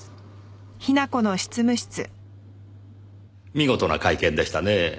見事な会見でしたね。